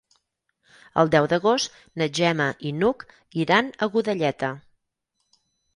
El deu d'agost na Gemma i n'Hug iran a Godelleta.